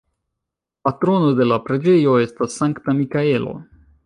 Patrono de la preĝejo estas Sankta Mikaelo.